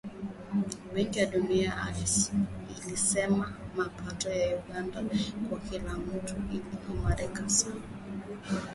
Benki ya Dunia ilisema mapato ya Uganda kwa kila mtu yaliimarika sana